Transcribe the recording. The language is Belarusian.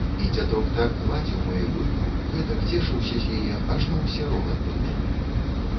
І дзядок так гладзіў маю люльку, гэтак цешыўся з яе, ажно усе рогат паднялі.